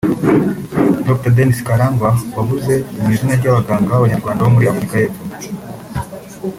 Dr Denis Karangwa wavuze mu izina ry’abaganga b’Abanyarwanda bo muri Afurika y’Epfo